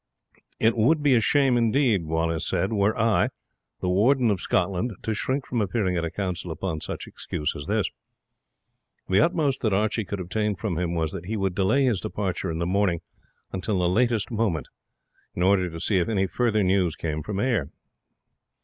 "It would be a shame indeed," he said, "were I, the Warden of Scotland, to shrink from appearing at a council upon such excuse as this." The utmost that Archie could obtain from him was that he would delay his departure in the morning until the latest moment, in order to see if any further news came from Ayr.